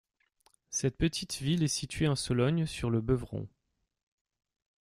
Cette petite ville est située en Sologne sur le Beuvron.